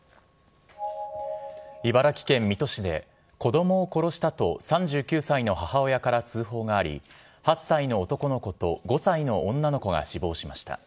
茨城県水戸市で、子どもを殺したと３９歳の母親から通報があり、８歳の男の子と５歳の女の子が死亡しました。